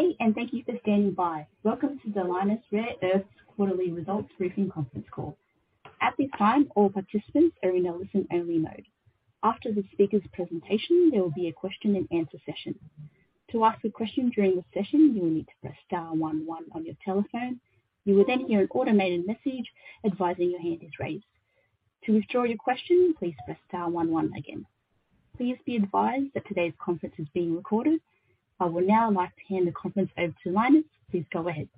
Good day. Thank you for standing by. Welcome to the Lynas Rare Earths quarterly results briefing conference call. At this time, all participants are in a listen-only mode. After the speaker's presentation, there will be a question and answer session. To ask a question during the session, you will need to press star 1 1 on your telephone. You will hear an automated message advising your hand is raised. To withdraw your question, please press star 1 1 again. Please be advised that today's conference is being recorded. I would now like to hand the conference over to Lynas. Please go ahead.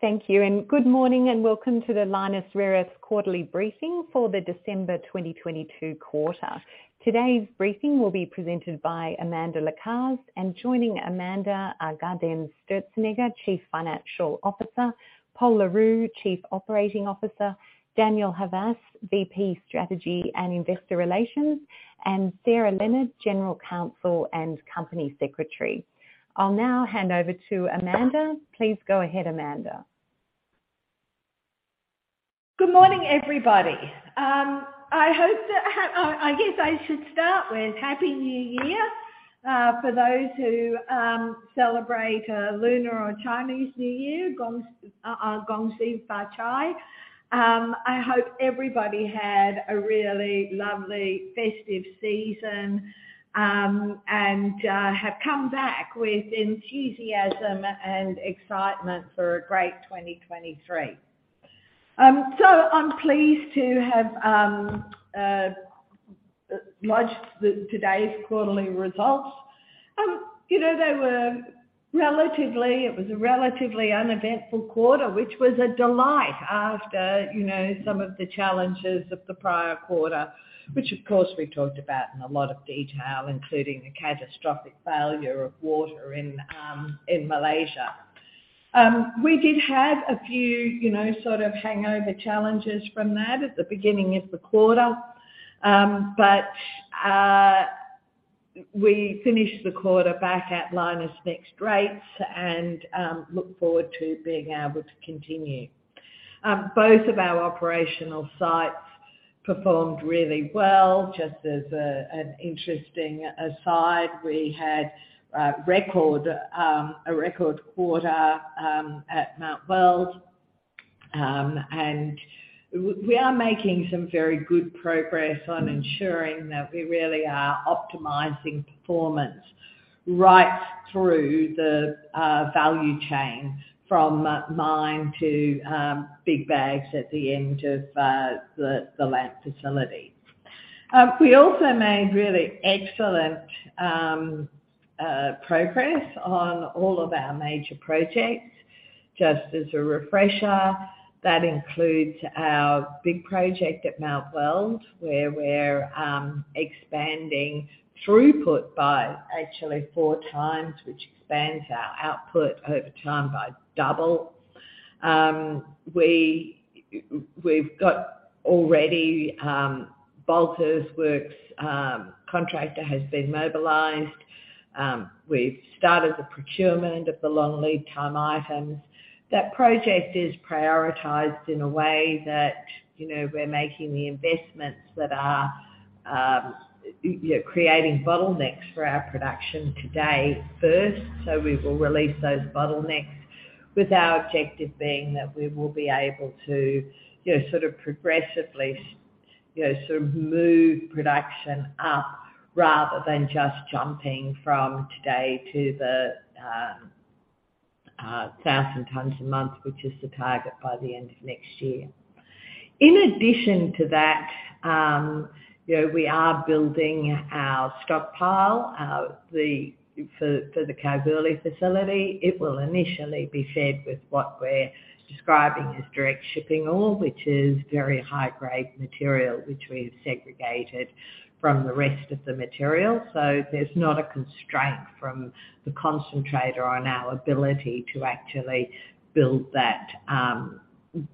Thank you. Good morning and welcome to the Lynas Rare Earths quarterly briefing for the December 2022 quarter. Today's briefing will be presented by Amanda Lacaze. Joining Amanda are Gaudenz Sturzenegger, Chief Financial Officer, Pol Le Roux, Chief Operating Officer, Daniel Havas, VP Strategy and Investor Relations, and Sarah Leonard, General Counsel and Company Secretary. I'll now hand over to Amanda. Please go ahead, Amanda. Good morning, everybody. I hope that, I guess I should start with Happy New Year. For those who celebrate Lunar or Chinese New Year, Gong Xi Fa Cai. I hope everybody had a really lovely festive season, and have come back with enthusiasm and excitement for a great 2023. I'm pleased to have lodged today's quarterly results. You know, it was a relatively uneventful quarter, which was a delight after, you know, some of the challenges of the prior quarter. Which of course, we talked about in a lot of detail, including the catastrophic failure of water in Malaysia. We did have a few, you know, sort of hangover challenges from that at the beginning of the quarter. We finished the quarter back at Lynas NEXT rates and look forward to being able to continue. Both of our operational sites performed really well. Just as an interesting aside, we had record, a record quarter at Mount Weld. We are making some very good progress on ensuring that we really are optimizing performance right through the value chain from mine to big bags at the end of the LAMP facility. We also made really excellent progress on all of our major projects. Just as a refresher, that includes our big project at Mount Weld, where we're expanding throughput by actually four times, which expands our output over time by double. We've got already Builder's Work contractor has been mobilized. We've started the procurement of the long lead time items. That project is prioritized in a way that, you know, we're making the investments that are, you know, creating bottlenecks for our production today first. We will release those bottlenecks with our objective being that we will be able to, you know, sort of progressively move production up rather than just jumping from today to the 1,000 tons a month, which is the target by the end of next year. In addition to that, you know, we are building our stockpile for the Kalgoorlie facility. It will initially be fed with what we're describing as direct shipping ore, which is very high-grade material which we've segregated from the rest of the material. There's not a constraint from the concentrator on our ability to actually build that,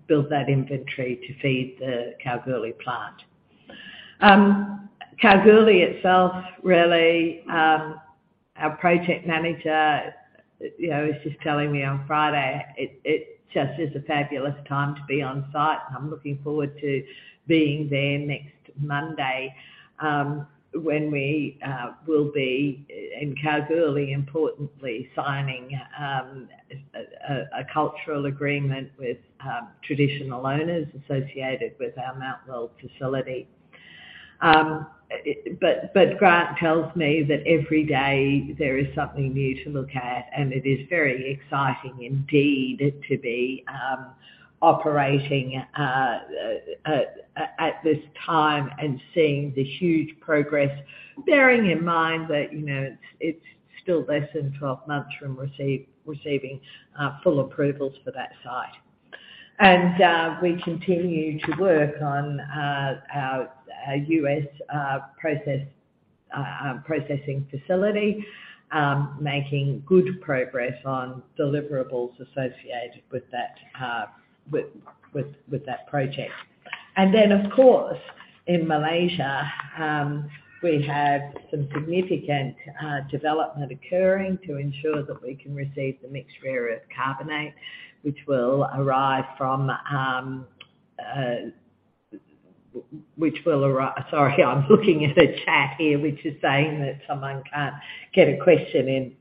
build that inventory to feed the Kalgoorlie plant. Kalgoorlie itself, really, our project manager, you know, was just telling me on Friday, it just is a fabulous time to be on site, and I'm looking forward to being there next Monday, when we will be in Kalgoorlie, importantly, signing a cultural agreement with traditional owners associated with our Mount Weld facility. Grant tells me that every day there is something new to look at, and it is very exciting indeed to be operating at this time and seeing the huge progress. Bearing in mind that, you know, it's still less than 12 months from receiving full approvals for that site. We continue to work on our U.S. processing facility. Making good progress on deliverables associated with that project. Of course, in Malaysia, we have some significant development occurring to ensure that we can receive the mixed rare earth carbonate which will arrive from which will arrive. Sorry, I'm looking at a chat here which is saying that someone can't get a question in.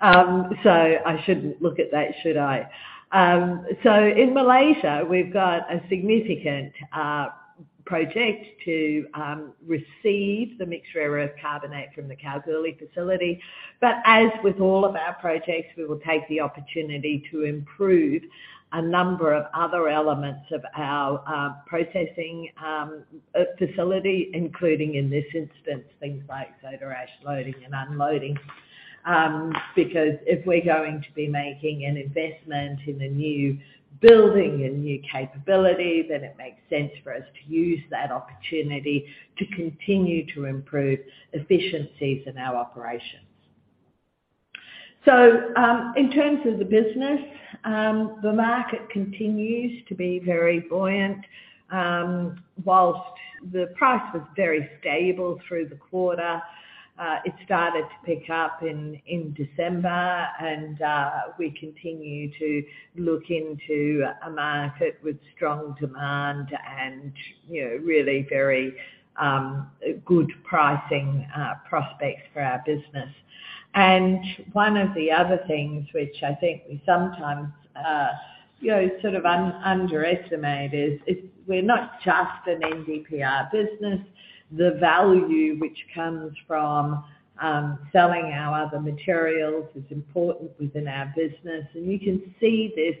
So I shouldn't look at that, should I? So in Malaysia, we've got a significant project to receive the mixed rare earth carbonate from the Kalgoorlie facility. As with all of our projects, we will take the opportunity to improve a number of other elements of our processing facility, including, in this instance, things like soda ash loading and unloading. Because if we're going to be making an investment in a new building and new capability, then it makes sense for us to use that opportunity to continue to improve efficiencies in our operations. In terms of the business, the market continues to be very buoyant. Whilst the price was very stable through the quarter, it started to pick up in December, and we continue to look into a market with strong demand and, you know, really very good pricing prospects for our business. One of the other things which I think we sometimes, you know, sort of underestimate is we're not just an NdPr business. The value which comes from selling our other materials is important within our business. You can see this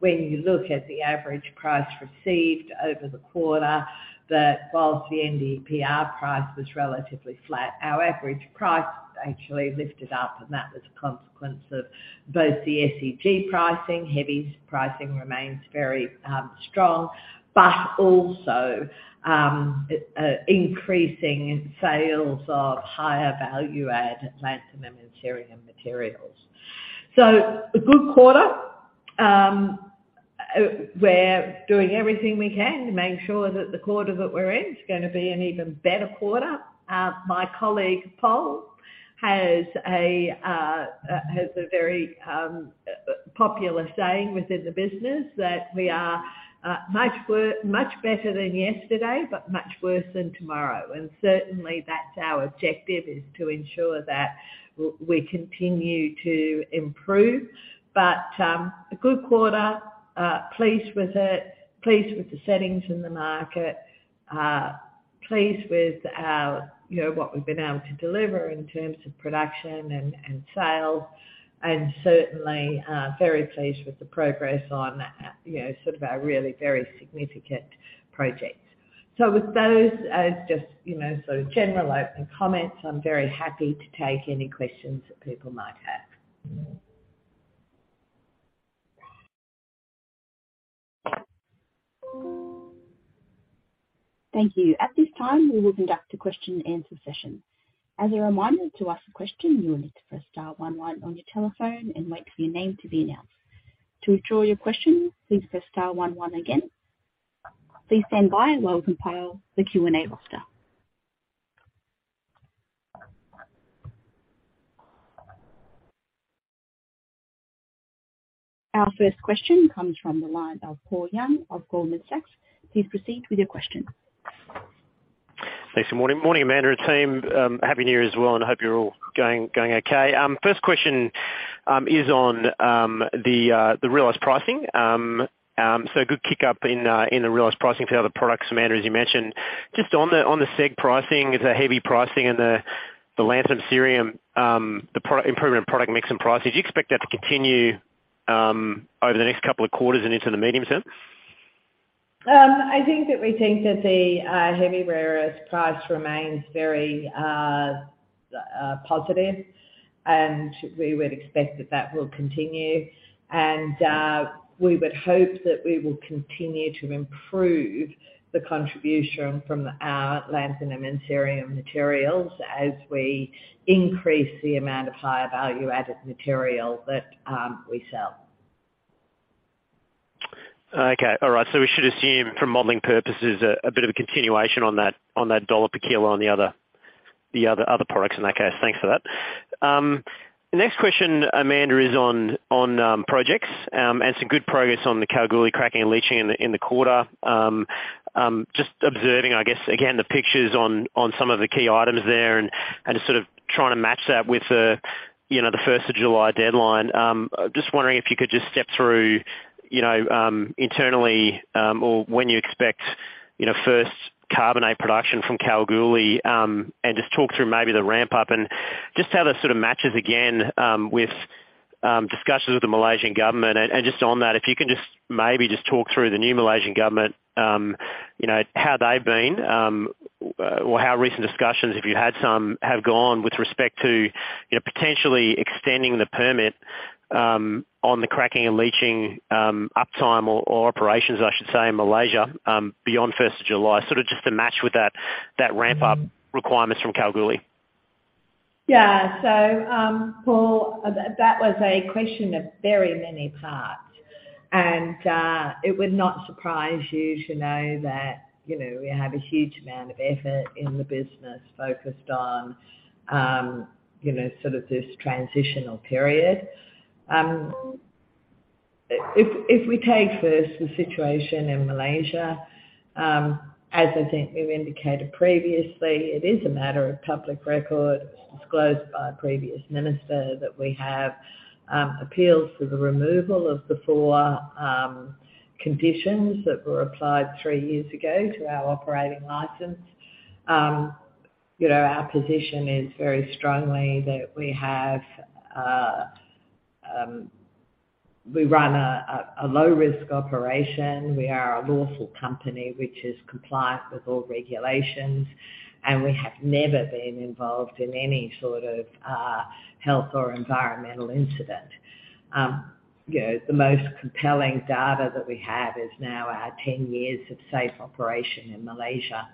when you look at the average price received over the quarter, that whilst the NdPr price was relatively flat, our average price actually lifted up, and that was a consequence of both the SEG pricing, heavies pricing remains very strong, but also increasing in sales of higher value-add lanthanum and cerium materials. A good quarter. We're doing everything we can to make sure that the quarter that we're in is gonna be an even better quarter. My colleague, Pol, has a very popular saying within the business that we are much better than yesterday, but much worse than tomorrow. Certainly that's our objective, is to ensure that we continue to improve. A good quarter. Pleased with it, pleased with the settings in the market, pleased with our, you know, what we've been able to deliver in terms of production and sales, and certainly, very pleased with the progress on, you know, sort of our really very significant projects. With those, just, you know, sort of general opening comments, I'm very happy to take any questions that people might have. Thank you. At this time, we will conduct a question and answer session. As a reminder, to ask a question, you will need to press star 1 1 on your telephone and wait for your name to be announced. To withdraw your question, please press star 1 1 again. Please stand by while we compile the Q&A roster. Our first question comes from the line of Paul Young of Goldman Sachs. Please proceed with your question. Thanks for morning. Morning, Amanda and team. Happy new year as well. I hope you're all going okay. First question is on the realized pricing. Good kick-up in the realized pricing for the other products, Amanda, as you mentioned. Just on the SEG pricing, the heavy pricing and the lanthanum cerium, the improvement in product mix and pricing. Do you expect that to continue over the next couple of quarters and into the medium term? I think that we think that the heavy rare earth price remains very positive, and we would expect that that will continue. We would hope that we will continue to improve the contribution from our lanthanum and cerium materials as we increase the amount of higher value-added material that we sell. Okay. All right. We should assume from modeling purposes a bit of a continuation on that, on that AUD per kilo on the other products in that case. Thanks for that. The next question, Amanda, is on projects, and some good progress on the Kalgoorlie Cracking and Leaching in the, in the quarter. Just observing, I guess, again, the pictures on some of the key items there and just sort of trying to match that with the, you know, the first of July deadline. Just wondering if you could just step through, you know, internally, or when you expect, you know, first carbonate production from Kalgoorlie, and just talk through maybe the ramp-up and just how that sort of matches again, with discussions with the Malaysian government. Just on that, if you can just maybe just talk through the new Malaysian government, you know, how they've been, or how recent discussions, if you had some, have gone with respect to, you know, potentially extending the permit on the cracking and leaching uptime or operations, I should say, in Malaysia, beyond 1st of July, sort of just to match with that ramp-up requirements from Kalgoorlie. Yeah. Paul, that was a question of very many parts. It would not surprise you to know that, you know, we have a huge amount of effort in the business focused on, you know, sort of this transitional period. If we take first the situation in Malaysia, as I think we've indicated previously, it is a matter of public record, disclosed by a previous minister, that we have appealed for the removal of the four conditions that were applied three years ago to our operating license. You know, our position is very strongly that we run a low risk operation. We are a lawful company which is compliant with all regulations, we have never been involved in any sort of health or environmental incident. You know, the most compelling data that we have is now our 10 years of safe operation in Malaysia.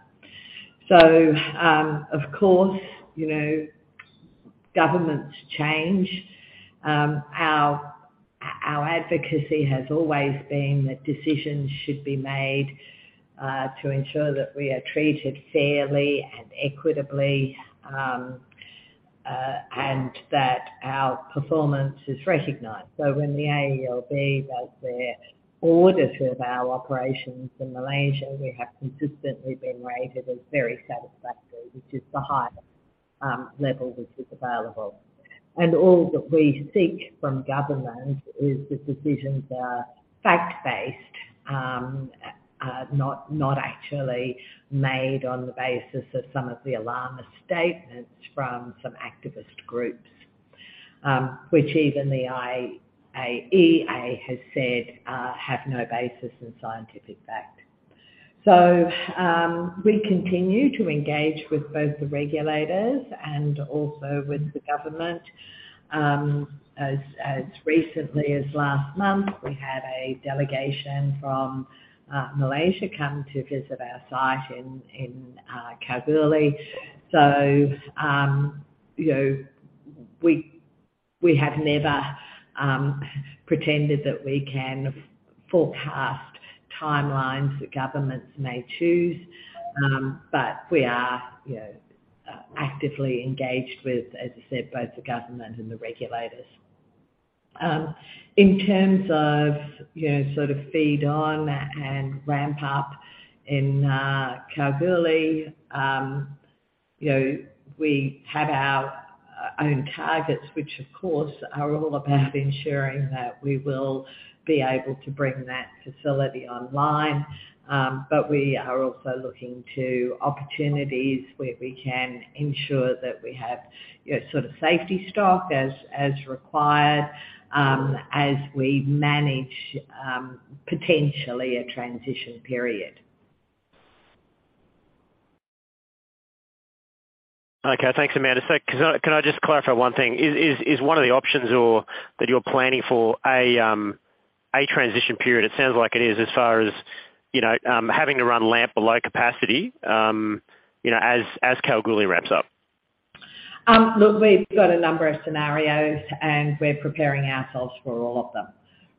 Of course, you know, governments change. Our advocacy has always been that decisions should be made to ensure that we are treated fairly and equitably and that our performance is recognized. When the AELB does their audit of our operations in Malaysia, we have consistently been rated as very satisfactory, which is the highest level which is available. All that we seek from government is that decisions are fact-based, not actually made on the basis of some of the alarmist statements from some activist groups, which even the IAEA has said have no basis in scientific fact. We continue to engage with both the regulators and also with the government. As recently as last month, we had a delegation from Malaysia come to visit our site in Kalgoorlie. You know, we have never pretended that we can forecast timelines that governments may choose. We are, you know, actively engaged with, as I said, both the government and the regulators. In terms of, you know, sort of feed on and ramp up in Kalgoorlie, you know, we have our own targets, which of course are all about ensuring that we will be able to bring that facility online. We are also looking to opportunities where we can ensure that we have, you know, sort of safety stock as required, as we manage, potentially a transition period. Okay. Thanks, Amanda. Can I just clarify one thing? Is one of the options or that you're planning for a transition period? It sounds like it is as far as, you know, having to run LAMP below capacity, you know, as Kalgoorlie ramps up. Look, we've got a number of scenarios, and we're preparing ourselves for all of them,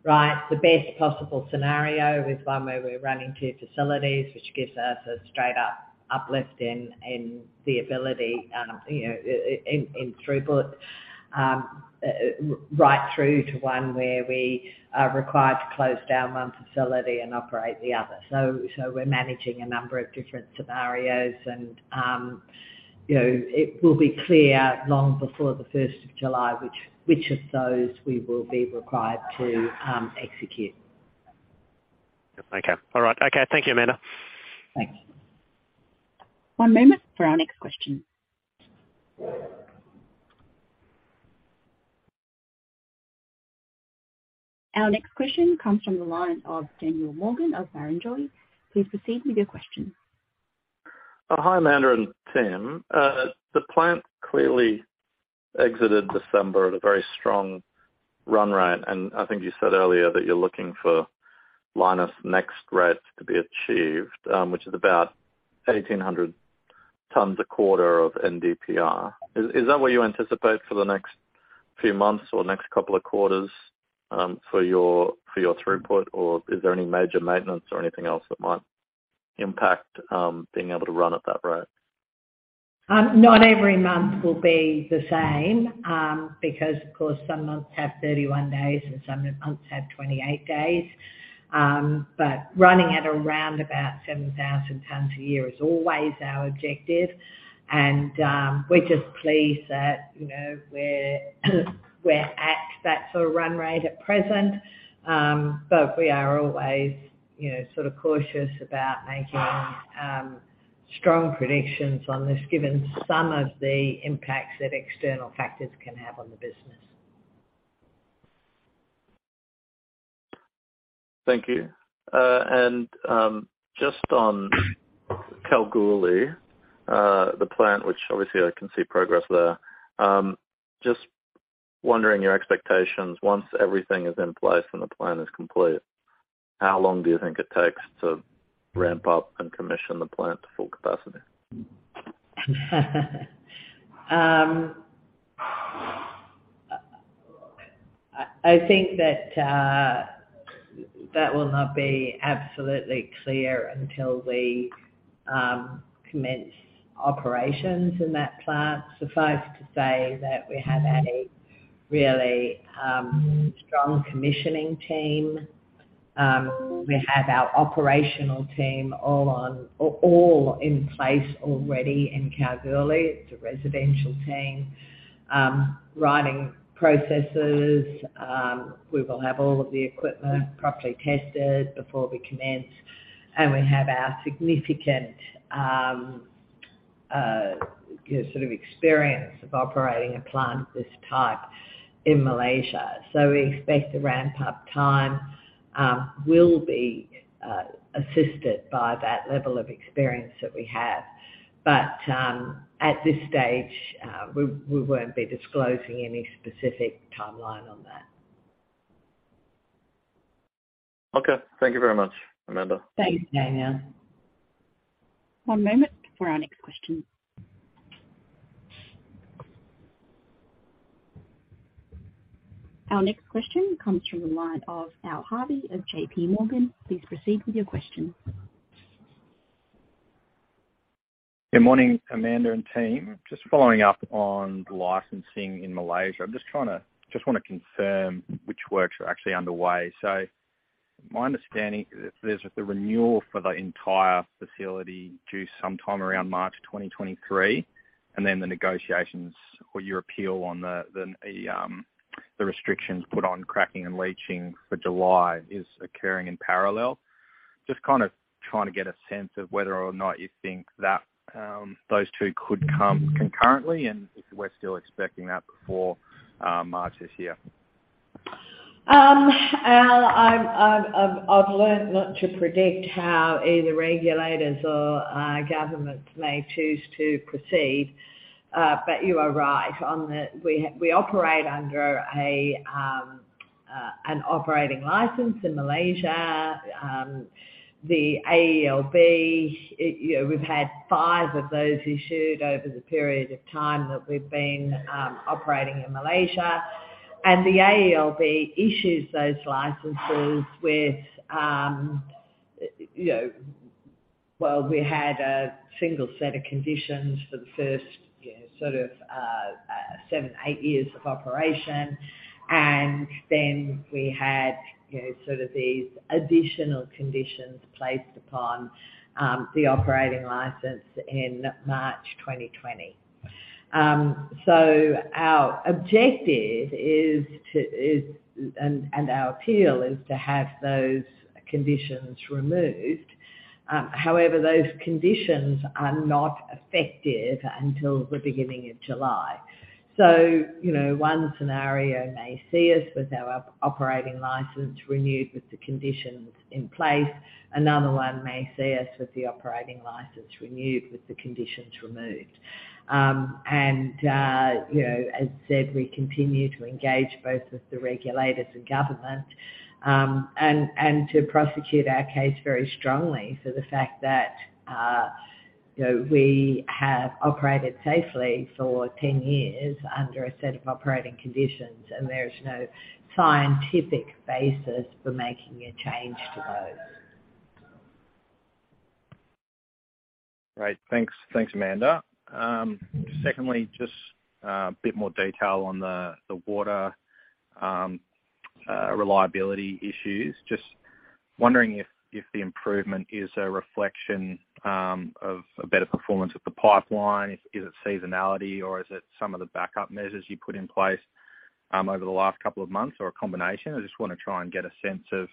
right? The best possible scenario is one where we're running two facilities, which gives us a straight up uplift in the ability, you know, in throughput. Right through to one where we are required to close down one facility and operate the other. We're managing a number of different scenarios, and you know, it will be clear long before the first of July which of those we will be required to execute. Okay. All right. Okay. Thank you, Amanda. Thank you. One moment for our next question. Our next question comes from the line of Daniel Morgan of Barrenjoey. Please proceed with your question. Hi, Amanda and team. The plant clearly exited December at a very strong run rate, and I think you said earlier that you're looking for Lynas NEXT rates to be achieved, which is about 1,800 tons a quarter of NdPr. Is that what you anticipate for the next few months or next couple of quarters for your throughput? Is there any major maintenance or anything else that might impact being able to run at that rate? Not every month will be the same, because of course, some months have 31 days and some months have 28 days. Running at around about 7,000 tons a year is always our objective and, we're just pleased that, you know, we're at that sort of run rate at present. We are always, you know, sort of cautious about making strong predictions on this, given some of the impacts that external factors can have on the business. Thank you. Just on Kalgoorlie, the plant, which obviously I can see progress there. Just wondering your expectations once everything is in place and the plant is complete, how long do you think it takes to ramp up and commission the plant to full capacity? I think that that will not be absolutely clear until we commence operations in that plant. Suffice to say that we have a really strong commissioning team. We have our operational team all in place already in Kalgoorlie. It's a residential team, writing processes. We will have all of the equipment properly tested before we commence. We have our significant, you know, sort of experience of operating a plant of this type in Malaysia. We expect the ramp-up time will be assisted by that level of experience that we have. At this stage, we won't be disclosing any specific timeline on that. Okay. Thank you very much, Amanda. Thanks, Daniel. One moment for our next question. Our next question comes from the line of Al Harvey of JP Morgan. Please proceed with your question. Good morning, Amanda and team. Just following up on the licensing in Malaysia. Just wanna confirm which works are actually underway. My understanding is there's the renewal for the entire facility due sometime around March 2023, and then the negotiations or your appeal on the restrictions put on cracking and leaching for July is occurring in parallel. Just kinda trying to get a sense of whether or not you think that those two could come concurrently, and if we're still expecting that before March this year? Al, I've learned not to predict how either regulators or governments may choose to proceed. You are right. We operate under an operating license in Malaysia. The AELB, you know, we've had five of those issued over the period of time that we've been operating in Malaysia. The AELB issues those licenses with, you know, Well, we had a single set of conditions for the first, you know, sort of, seven, eight years of operation. We had, you know, sort of these additional conditions placed upon the operating license in March 2020. Our objective is to, and our appeal is to have those conditions removed. However, those conditions are not effective until the beginning of July. You know, one scenario may see us with our operating license renewed with the conditions in place. Another one may see us with the operating license renewed with the conditions removed. You know, as I said, we continue to engage both with the regulators and government, and to prosecute our case very strongly for the fact that, you know, we have operated safely for 10 years under a set of operating conditions, and there's no scientific basis for making a change to those. Great. Thanks. Thanks, Amanda. Secondly, just a bit more detail on the water reliability issues. Just wondering if the improvement is a reflection of a better performance of the pipeline, is it seasonality or is it some of the backup measures you put in place over the last couple of months or a combination? I just wanna try and get a sense of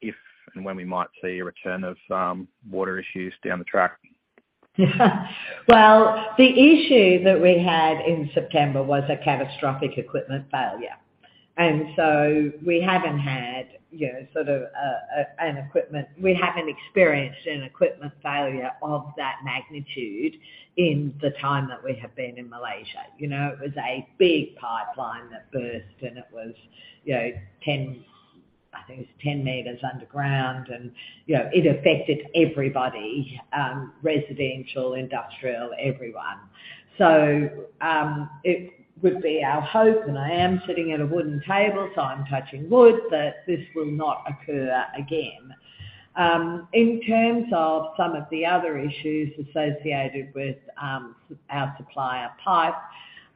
if and when we might see a return of water issues down the track? Well, the issue that we had in September was a catastrophic equipment failure. We haven't had, you know, sort of an equipment failure of that magnitude in the time that we have been in Malaysia. You know, it was a big pipeline that burst, and it was, you know, 10 meters underground and, you know, it affected everybody, residential, industrial, everyone. It would be our hope, and I am sitting at a wooden table, so I'm touching wood, that this will not occur again. In terms of some of the other issues associated with our supplier pipes,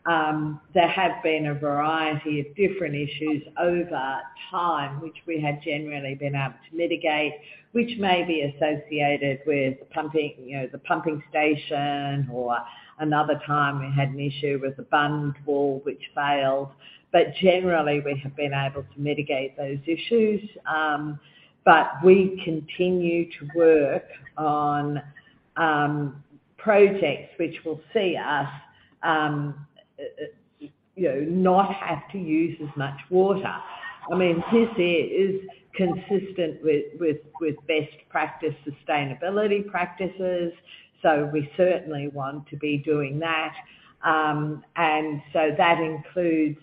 there have been a variety of different issues over time, which we have generally been able to mitigate, which may be associated with the pumping, you know, the pumping station or another time we had an issue with the bund wall which failed. Generally, we have been able to mitigate those issues. We continue to work on projects which will see us, you know, not have to use as much water. I mean, this here is consistent with, with best practice sustainability practices, so we certainly want to be doing that. That includes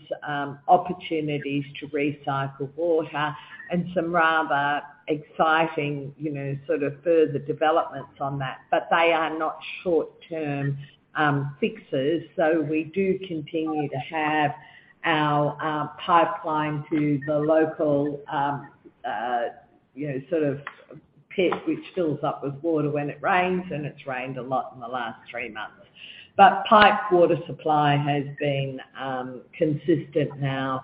opportunities to recycle water and some rather exciting, you know, sort of further developments on that. They are not short-term fixes, so we do continue to have our pipeline to the local You know, sort of pit which fills up with water when it rains, and it's rained a lot in the last three months. Pipe water supply has been consistent now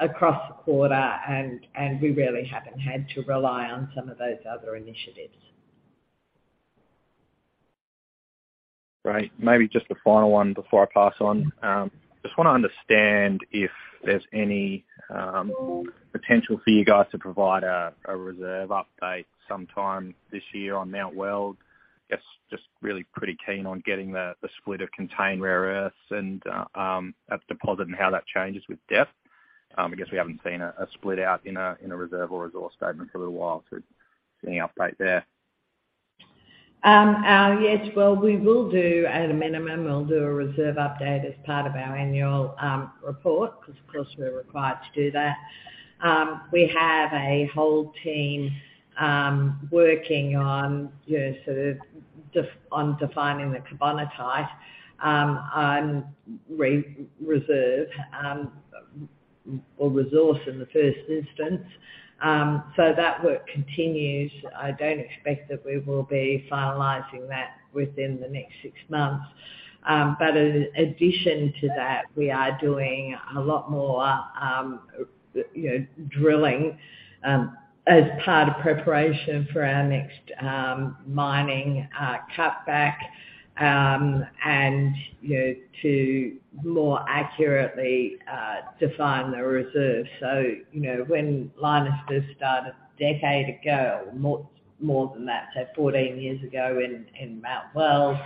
across the quarter and we really haven't had to rely on some of those other initiatives. Right. Maybe just a final one before I pass on. Just wanna understand if there's any potential for you guys to provide a reserve update sometime this year on Mount Weld. Guess, just really pretty keen on getting the split of contained rare earths and at deposit and how that changes with depth. I guess we haven't seen a split out in a, in a reserve or resource statement for a little while. Any update there? Yes. We will do, at a minimum, we'll do a reserve update as part of our annual report because, of course, we're required to do that. We have a whole team working on, you know, on defining the carbonatite, on reserve, or resource in the first instance. That work continues. I don't expect that we will be finalizing that within the next six months. In addition to that, we are doing a lot more, drilling, as part of preparation for our next mining cut back, and, you know, to more accurately define the reserve. You know, when Lynas first started a decade ago, more, more than that, 14 years ago in Mount Weld,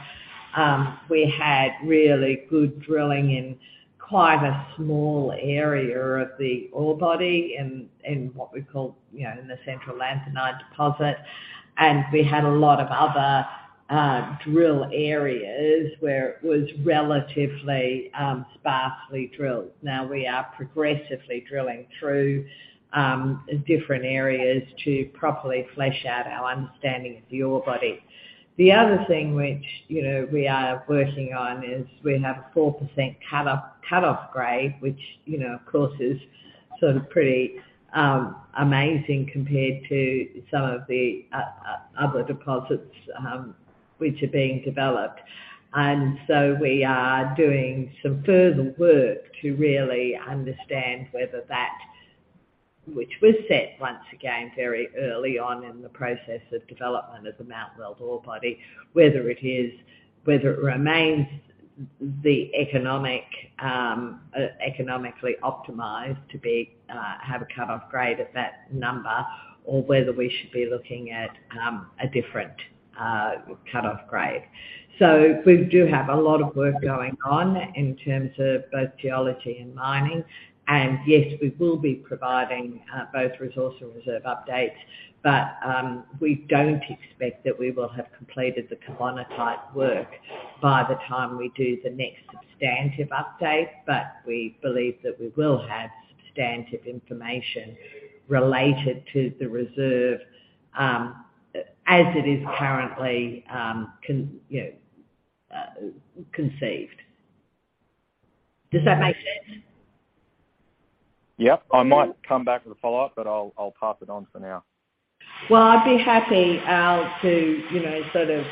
we had really good drilling in quite a small area of the ore body in what we call, you know, in the central lanthanide deposit. We had a lot of other drill areas where it was relatively sparsely drilled. Now we are progressively drilling through different areas to properly flesh out our understanding of the ore body. The other thing which, you know, we are working on is we have a 4% cutoff grade, which, you know, of course is sort of pretty amazing compared to some of the other deposits which are being developed. We are doing some further work to really understand whether that, which was set once again very early on in the process of development of the Mount Weld ore body, whether it remains the economic, economically optimized to be, have a cutoff grade at that number or whether we should be looking at a different cutoff grade. We do have a lot of work going on in terms of both geology and mining. Yes, we will be providing both resource and reserve updates. We don't expect that we will have completed the carbonatite work by the time we do the next substantive update. We believe that we will have substantive information related to the reserve as it is currently conceived. Does that make sense? Yep. I might come back with a follow-up, but I'll pass it on for now. Well, I'd be happy, to, you know, sort of,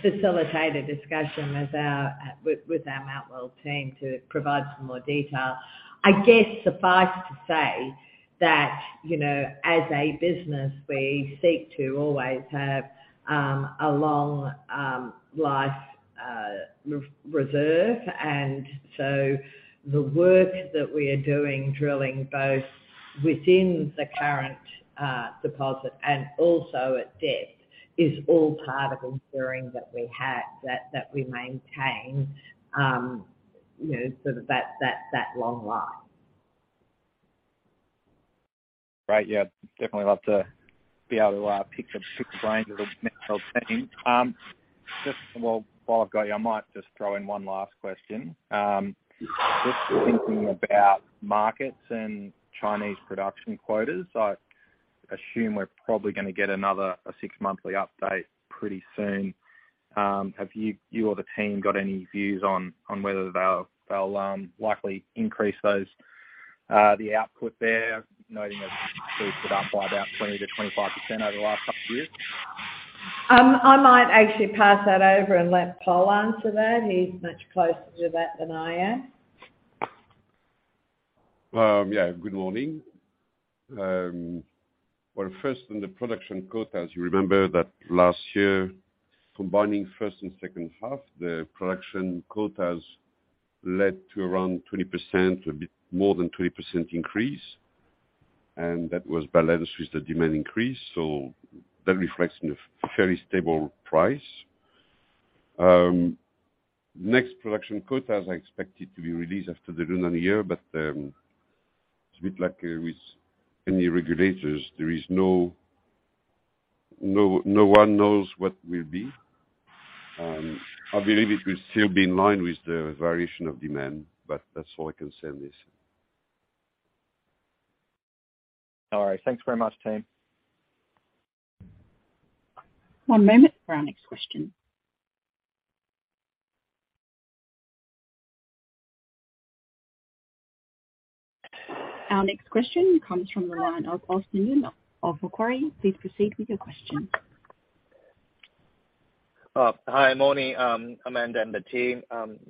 facilitate a discussion as our, with our Mount Weld team to provide some more detail. I guess suffice to say that, you know, as a business we seek to always have, a long, life, reserve. The work that we are doing, drilling both within the current, deposit and also at depth, is all part of ensuring that we have that we maintain, you know, sort of that long life. Right. Yeah, definitely love to be able to pick brains of the Mount Weld team. Just while I've got you, I might just throw in one last question. Just thinking about markets and Chinese production quotas. I assume we're probably gonna get another six monthly update pretty soon. Have you or the team got any views on whether they'll likely increase those, the output there? Noting that it's increased it up by about 20%-25% over the last couple years. I might actually pass that over and let Pol answer that. He's much closer to that than I am. Yeah, good morning. Well, first on the production quotas. You remember that last year, combining first and second half, the production quotas led to around 20%, a bit more than 20% increase, and that was balanced with the demand increase. That reflects in a fairly stable price. Next production quotas are expected to be released after the Lunar New Year. It's a bit like with any regulators. There is no one knows what will be. I believe it will still be in line with the variation of demand, but that's all I can say on this. All right. Thanks very much, Team. One moment for our next question. Our next question comes from the line of Austin Yun of Macquarie. Please proceed with your question. Hi, morning, Amanda and the team.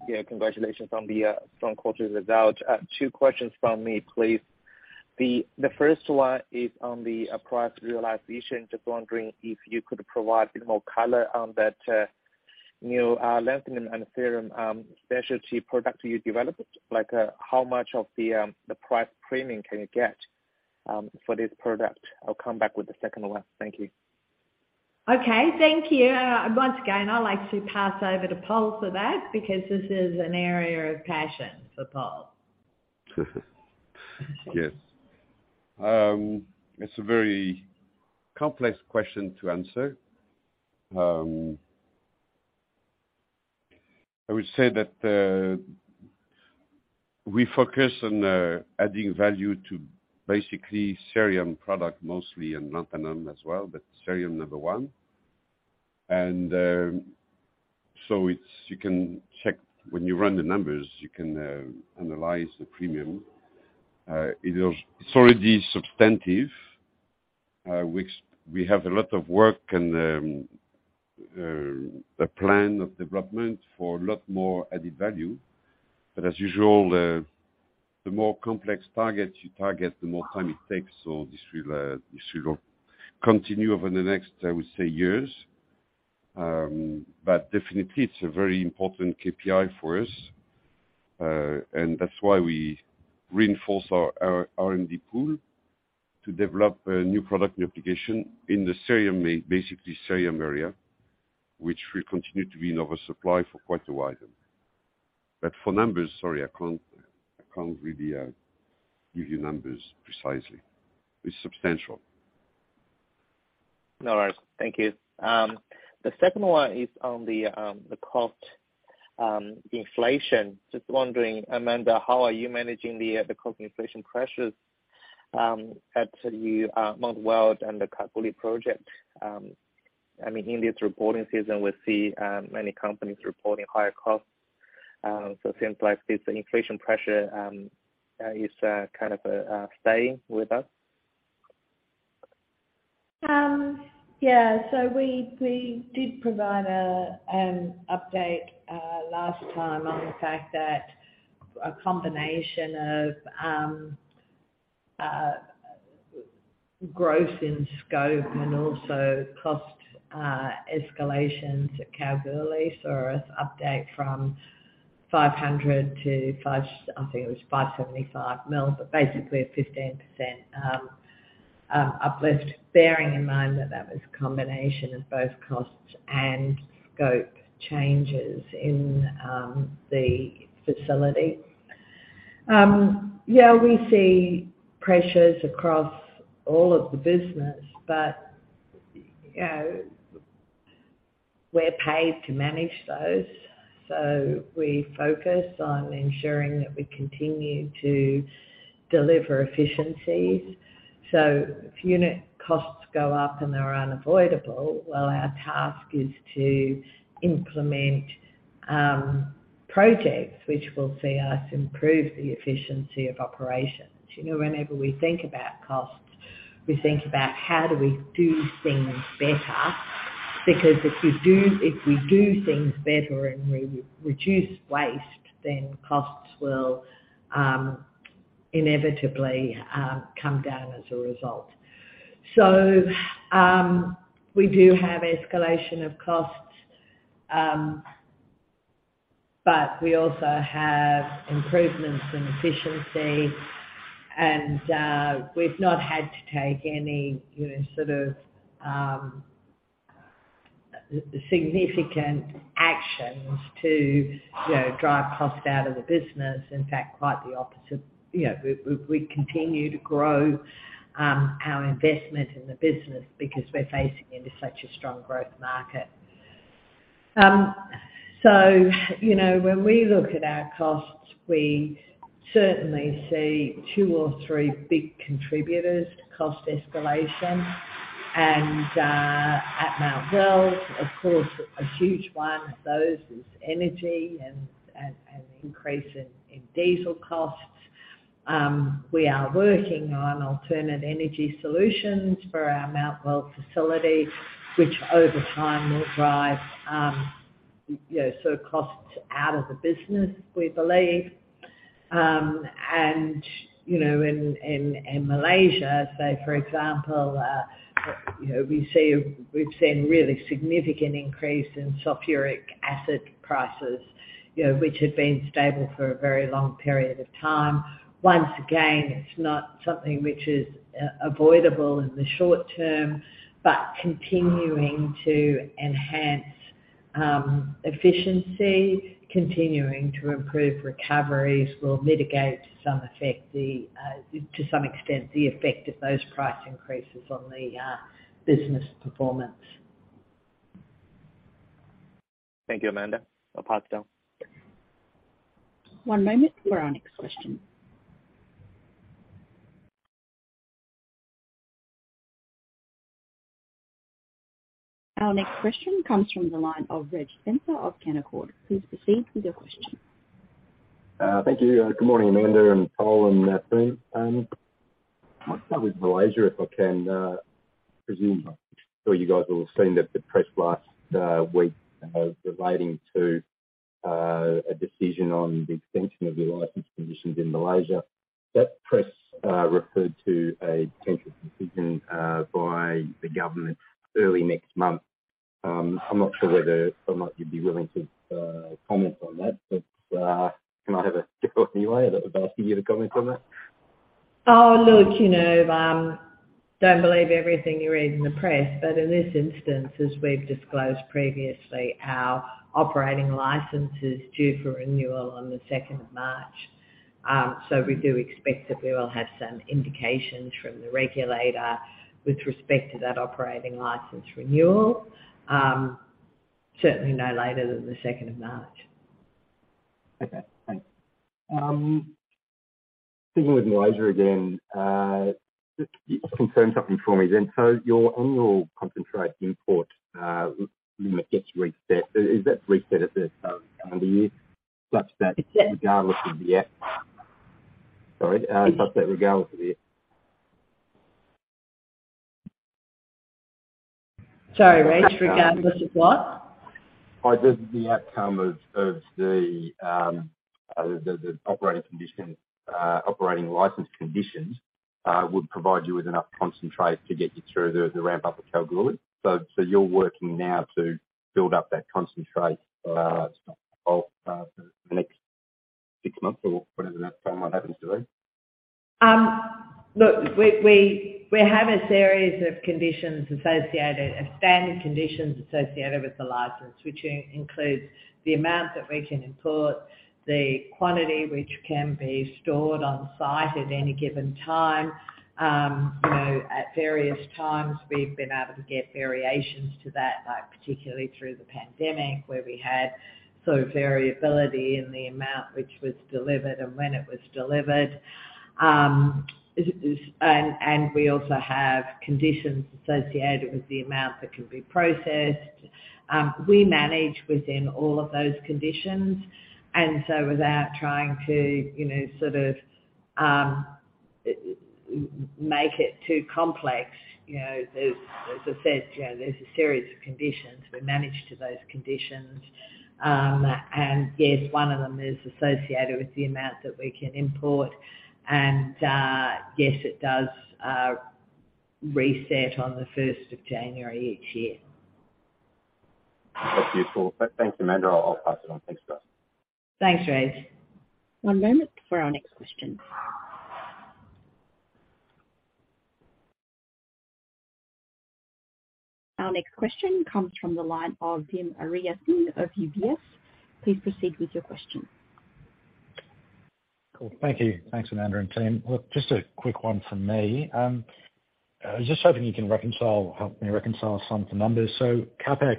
Yeah, congratulations on the strong quarter results. Two questions from me, please. The first one is on the price realization. Just wondering if you could provide a bit more color on that new lanthanum and cerium specialty product you developed. Like, how much of the price premium can you get for this product? I'll come back with the second one. Thank you. Okay, thank you. Once again, I'd like to pass over to Pol for that because this is an area of passion for Paul. Yes. It's a very complex question to answer. I would say that we focus on adding value to basically cerium product mostly, and lanthanum as well, but cerium number one. You can check when you run the numbers, you can analyze the premium. It is already substantive. We have a lot of work and a plan of development for a lot more added value. As usual, the more complex targets you target, the more time it takes. This will continue over the next, I would say, years. Definitely it's a very important KPI for us. That's why we reinforce our R&D pool to develop a new product application in the cerium main, basically cerium area, which will continue to be in oversupply for quite a while. For numbers, sorry, I can't really give you numbers precisely. It's substantial. All right. Thank you. The second one is on the cost inflation. Just wondering, Amanda, how are you managing the cost inflation pressures at the Mount Weld and the Kalgoorlie project? I mean, in this reporting season, we see many companies reporting higher costs. It seems like this inflation pressure is kind of staying with us. Yeah. We, we did provide an update last time on the fact that a combination of growth in scope and also cost escalations at Kalgoorlie saw us update from 500 million-575 million, but basically a 15% uplift, bearing in mind that that was a combination of both costs and scope changes in the facility. Yeah, we see pressures across all of the business, but, you know, we're paid to manage those. We focus on ensuring that we continue to deliver efficiencies. If unit costs go up and they are unavoidable, well, our task is to implement projects which will see us improve the efficiency of operations. You know, whenever we think about costs, we think about how do we do things better? If we do things better and we reduce waste, then costs will inevitably come down as a result. We do have escalation of costs, but we also have improvements in efficiency. We've not had to take any, you know, sort of, significant actions to, you know, drive cost out of the business. In fact, quite the opposite. You know, we continue to grow our investment in the business because we're facing into such a strong growth market. You know, when we look at our costs, we certainly see two or three big contributors to cost escalation. At Mount Weld, of course, a huge one of those is energy and increase in diesel costs. We are working on alternate energy solutions for our Mount Weld facility, which over time will drive, you know, sort of costs out of the business, we believe. You know, in, in Malaysia, say, for example, you know, we've seen really significant increase in sulfuric acid prices, you know, which had been stable for a very long period of time. Once again, it's not something which is avoidable in the short term, but continuing to enhance efficiency, continuing to improve recoveries will mitigate to some effect the, to some extent, the effect of those price increases on the business performance. Thank you, Amanda. I'll pass down. One moment for our next question. Our next question comes from the line of Reg Spencer of Canaccord. Please proceed with your question. Thank you. Good morning, Amanda and Pol and team. I'll start with Malaysia, if I can presume. I'm sure you guys all have seen the press last week relating to a decision on the extension of your license conditions in Malaysia. That press referred to a potential decision by the government early next month. I'm not sure whether or not you'd be willing to comment on that, but can I have a different view, either of asking you to comment on that? Look, you know, don't believe everything you read in the press. In this instance, as we've disclosed previously, our operating license is due for renewal on the 2nd of March. We do expect that we will have some indication from the regulator with respect to that operating license renewal. Certainly no later than the 2nd of March. Okay. Thanks. Sticking with Malaysia again, just confirm something for me then. Your annual concentrate import limit gets reset. Is that reset at the start of the year such that - It's, yeah- - regardless of the Sorry, such that regardless of the... Sorry, Reg. Regardless of what? The outcome of the operating condition operating license conditions would provide you with enough concentrate to get you through the ramp up of Kalgoorlie. You're working now to build up that concentrate for the next six months or whatever that timeline happens to be? Look, we have a series of conditions associated, a standard conditions associated with the license, which includes the amount that we can import, the quantity which can be stored on site at any given time. You know, at various times, we've been able to get variations to that, like particularly through the pandemic, where we had sort of variability in the amount which was delivered and when it was delivered. We also have conditions associated with the amount that can be processed. We manage within all of those conditions. Without trying to, you know, sort of, make it too complex, you know, there's, as I said, you know, there's a series of conditions. We manage to those conditions. Yes, one of them is associated with the amount that we can import. Yes, it does, reset on the first of January each year. That's useful. Thanks, Amanda. I'll pass it on. Thanks, guys. Thanks, Reg. One moment for our next question. Our next question comes from the line of Dim Ariyasinghe of UBS. Please proceed with your question. Cool. Thank you. Thanks, Amanda and team. Look, just a quick one from me. I was just hoping you can reconcile, help me reconcile some of the numbers. CapEx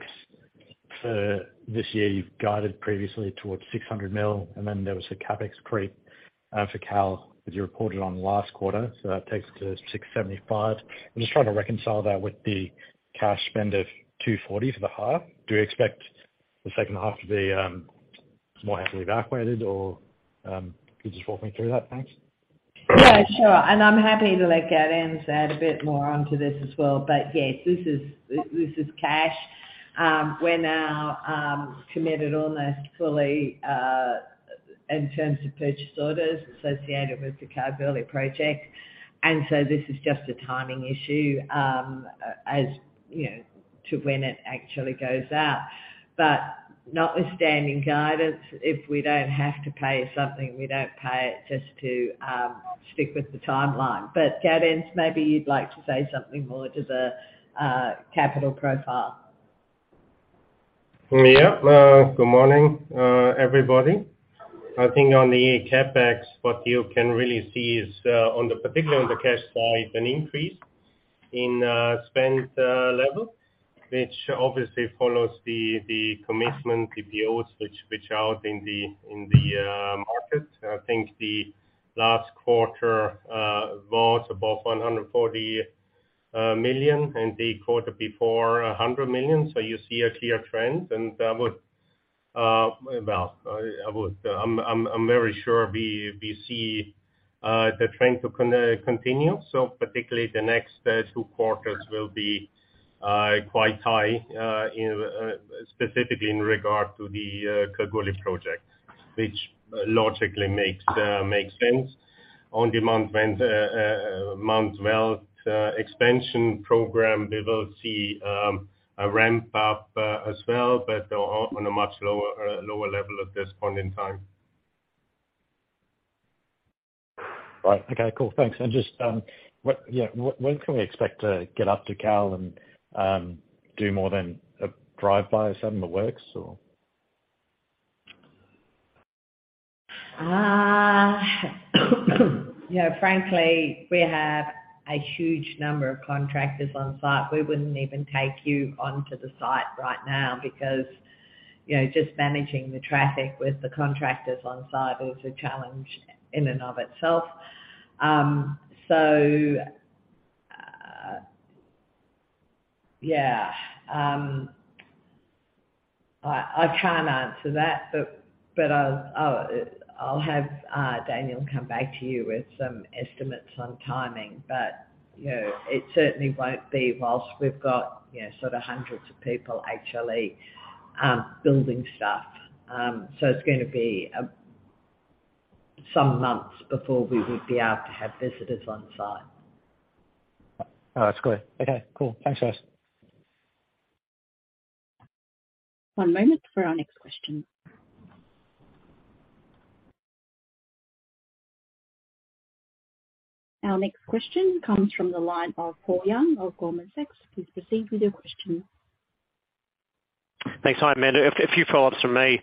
for this year, you've guided previously towards 600 million, and then there was a CapEx creep for Kal that you reported on last quarter, so that takes it to 675. I'm just trying to reconcile that with the cash spend of 240 for the half. Do you expect the second half to be more heavily back weighted or could you just walk me through that? Thanks. Yeah, sure. I'm happy to let Gaudenz add a bit more onto this as well. Yes, this is cash. We're now committed almost fully in terms of purchase orders associated with the Kalgoorlie project. This is just a timing issue, as, you know, to when it actually goes out. Notwithstanding guidance, if we don't have to pay something, we don't pay it just to stick with the timeline. Gaudenz, maybe you'd like to say something more to the capital profile. Good morning, everybody. I think on the CapEx, what you can really see is, particularly on the cash side, an increase in spend level, which obviously follows the commitment PPOs which switch out in the market. I think the last quarter was above 140 million and the quarter before, 100 million. You see a clear trend and that would, well, I'm very sure we see the trend to continue. Particularly the next two quarters will be quite high in specifically in regard to the Kalgoorlie project, which logically makes sense. On the Mount Weld expansion program, we will see a ramp up as well, but on a much lower level at this point in time. Right. Okay, cool. Thanks. Just, what, yeah, when can we expect to get up to Kal and do more than a drive-by or so on the works or? You know, frankly, we have a huge number of contractors on site. We wouldn't even take you onto the site right now because, you know, just managing the traffic with the contractors on site is a challenge in and of itself. Yeah. I can't answer that, but I'll have Daniel come back to you with some estimates on timing. You know, it certainly won't be whilst we've got, you know, sort of hundreds of people actually building stuff. It's gonna be some months before we would be able to have visitors on site. Oh, that's clear. Okay, cool. Thanks guys. One moment for our next question. Our next question comes from the line of Paul Young of Goldman Sachs. Please proceed with your question. Thanks. Hi, Amanda. A few follow-ups from me.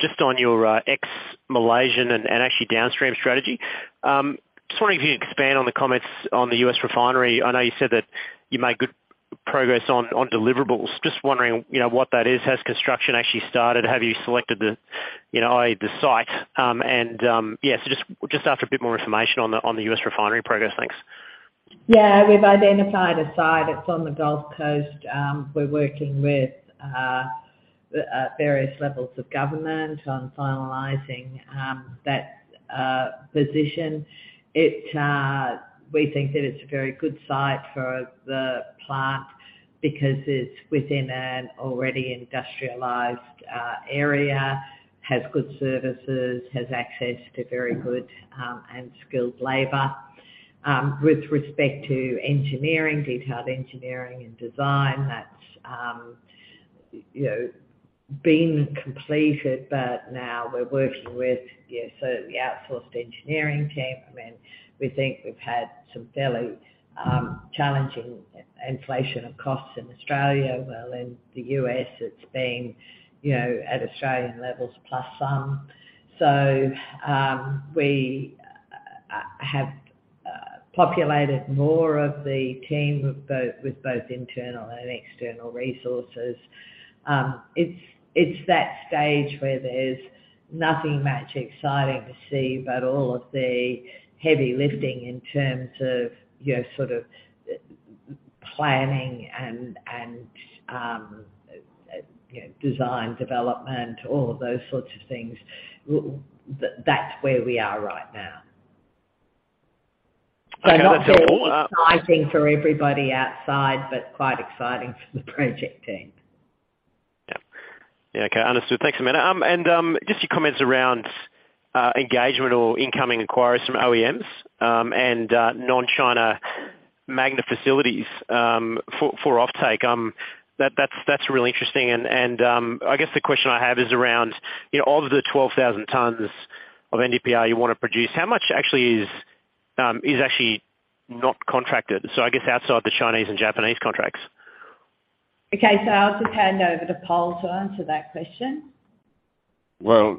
Just on your ex-Malaysian and actually downstream strategy. Just wondering if you could expand on the comments on the U.S. refinery. I know you said that you made good progress on deliverables. Just wondering, you know, what that is. Has construction actually started? Have you selected the, you know, i.e., the site? Yeah. Just after a bit more information on the U.S. refinery progress. Thanks. We've identified a site. It's on the Gulf Coast. We're working with various levels of government on finalizing that position. It, we think that it's a very good site for the plant because it's within an already industrialized area, has good services, has access to very good and skilled labor. With respect to engineering, detailed engineering and design, that's, you know, been completed, but now we're working with, yeah, so the outsourced engineering team. I mean, we think we've had some fairly challenging inflation of costs in Australia. In the U.S., it's been, you know, at Australian levels plus some. We have populated more of the team with both internal and external resources. It's that stage where there's nothing much exciting to see, but all of the heavy lifting in terms of your sort of planning and, you know, design development, all of those sorts of things. That's where we are right now. Okay. That's all. Not very exciting for everybody outside, but quite exciting for the project team. Yeah. Yeah, okay. Understood. Thanks, Amanda. Just your comments around engagement or incoming inquiries from OEMs and non-China magnet facilities for offtake. That's really interesting. I guess the question I have is around, you know, of the 12,000 tons of NdPr you wanna produce, how much actually is actually not contracted? I guess outside the Chinese and Japanese contracts. Okay. I'll just hand over to Pol to answer that question. I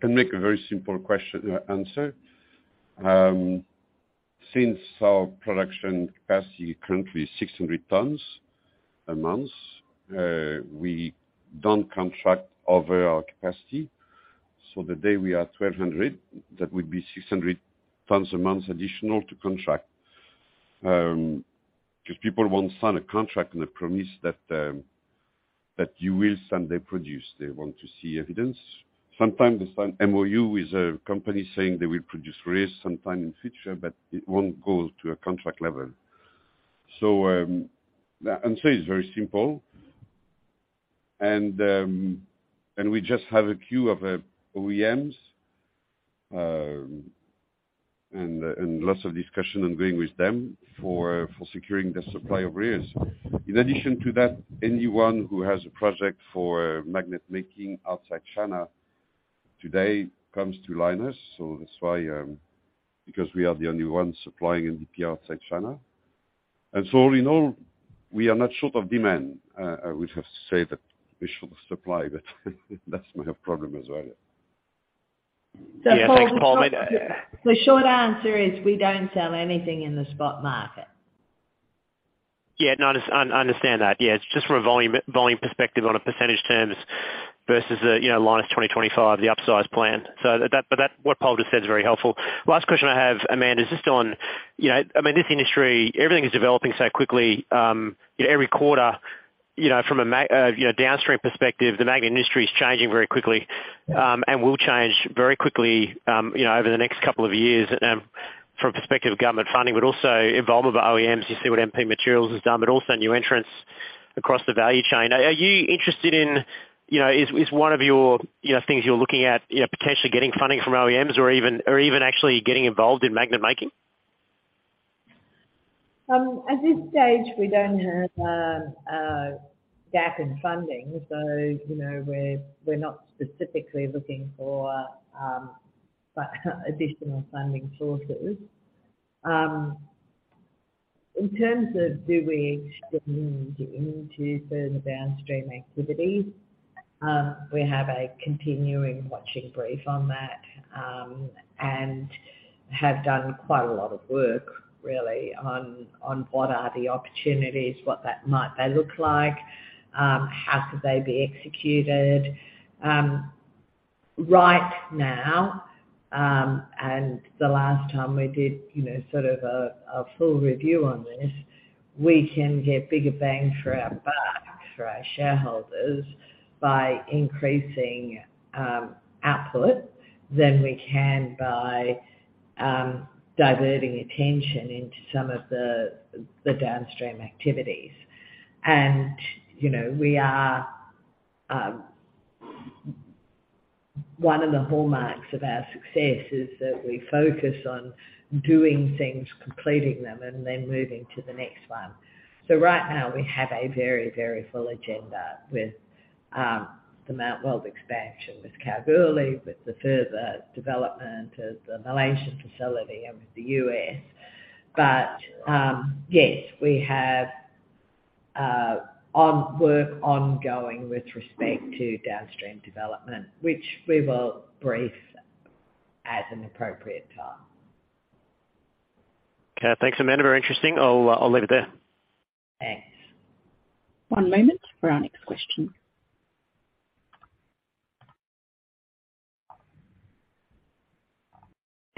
can make a very simple question answer. Since our production capacity currently is 600 tons a month, we don't contract over our capacity. The day we are 1,200, that would be 600 tons a month additional to contract. 'Cause people won't sign a contract on a promise that you will sign their produce. They want to see evidence. Sometimes they sign MoU with a company saying they will produce REEs sometime in future, but it won't go to a contract level. The answer is very simple. We just have a queue of OEMs, and lots of discussion ongoing with them for securing the supply of REEs. In addition to that, anyone who has a project for magnet making outside China today comes to Lynas. That's why, because we are the only ones supplying NdPr outside China. All in all, we are not short of demand. I would have to say that we're short of supply, but that's my problem as well. Yeah. Thanks, Pol. The short answer. May- The short answer is we don't sell anything in the spot market. No, I just understand that. Yeah. It's just from a volume perspective on a percentage terms versus a, you know, Lynas 2025, the upsize plan. That, but that what Pol just said is very helpful. Last question I have, Amanda, is just on, you know, I mean, this industry, everything is developing so quickly. Every quarter, you know, from a mag, you know, downstream perspective, the magnet industry is changing very quickly, and will change very quickly, you know, over the next couple of years, from perspective of government funding, but also involvement of OEMs. You see what MP Materials has done, but also new entrants across the value chain. Are you interested in, you know, is one of your, you know, things you're looking at, you know, potentially getting funding from OEMs or even actually getting involved in magnet making? At this stage we don't have a gap in funding. You know, we're not specifically looking for additional funding sources. In terms of do we expand into certain downstream activities, we have a continuing watching brief on that, and have done quite a lot of work really on what are the opportunities, what that might then look like, how could they be executed. Right now, and the last time we did, you know, sort of a full review on this, we can get bigger bang for our buck, for our shareholders by increasing output than we can by diverting attention into some of the downstream activities. You know, we are... One of the hallmarks of our success is that we focus on doing things, completing them, and then moving to the next one. Right now we have a very, very full agenda with the Mount Weld expansion, with Kalgoorlie, with the further development of the Malaysian facility and with the U.S. Yes, we have work ongoing with respect to downstream development, which we will brief at an appropriate time. Okay. Thanks, Amanda. Very interesting. I'll leave it there. Thanks. One moment for our next question.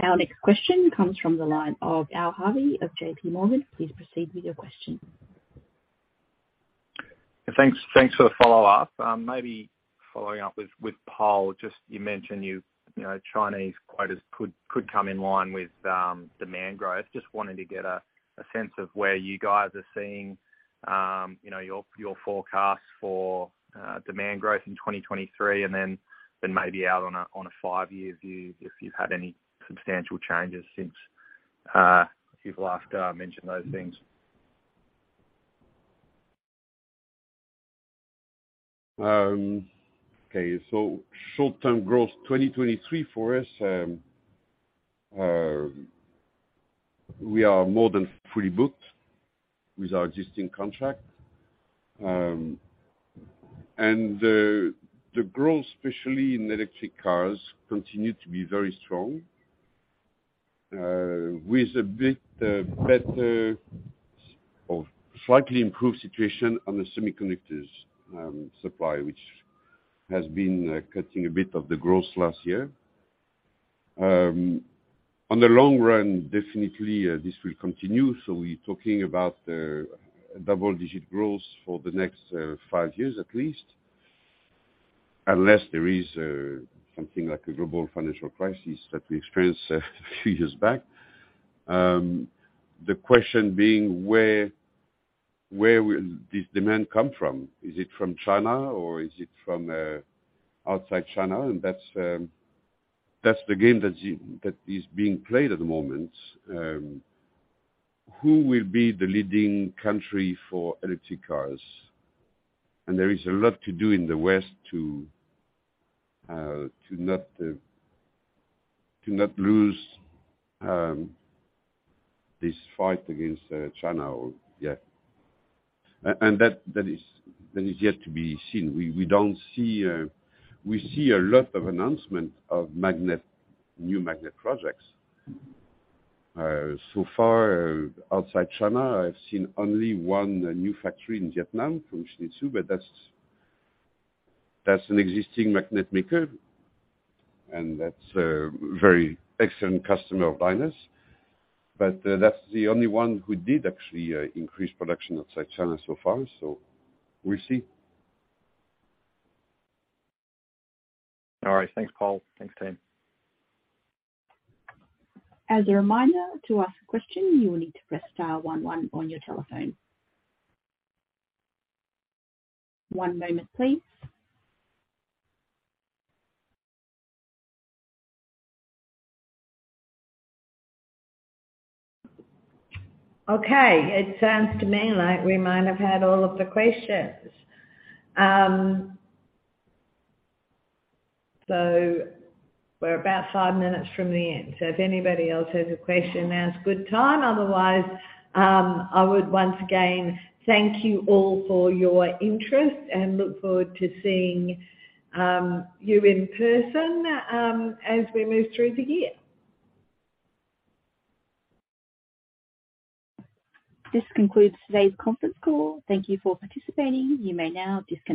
Our next question comes from the line of Al Harvey of JP Morgan. Please proceed with your question. Thanks, thanks for the follow-up. Maybe following up with Pol, just you mentioned you know Chinese quotas could come in line with demand growth. Just wanted to get a sense of where you guys are seeing, you know, your forecast for demand growth in 2023, and then maybe out on a five-year view, if you've had any substantial changes since you've last mentioned those things? Okay. Short-term growth, 2023 for us, we are more than fully booked with our existing contract. The growth, especially in electric cars, continue to be very strong, with a bit better or slightly improved situation on the semiconductors supply, which has been cutting a bit of the growth last year. On the long run, definitely, this will continue, we're talking about double-digit growth for the next five years at least. Unless there is something like a global financial crisis that we experienced a few years back. The question being where will this demand come from? Is it from China or is it from outside China? That's the game that is being played at the moment. Who will be the leading country for electric cars? There is a lot to do in the West to to not to not lose this fight against China or. Yeah. That is yet to be seen. We, we don't see we see a lot of announcement of magnet, new magnet projects. So far outside China, I've seen only one new factory in Japan from Mitsui, but that's an existing magnet maker, and that's a very excellent customer of Lynas. That's the only one who did actually increase production outside China so far. We'll see. All right. Thanks, Pol. Thanks, team. As a reminder, to ask a question, you will need to press star one one on your telephone. One moment, please. Okay. It sounds to me like we might have had all of the questions. We're about five minutes from the end. If anybody else has a question, now is good time. Otherwise, I would once again thank you all for your interest and look forward to seeing you in person as we move through the year. This concludes today's conference call. Thank you for participating. You may now disconnect.